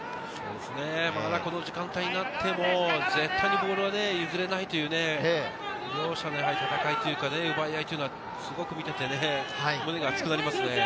まだこの時間帯になっても絶対にボールは譲れないという。両者の戦いというか、奪い合いというのはすごく見ていて熱くなりますね。